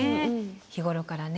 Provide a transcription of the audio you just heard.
日頃からね。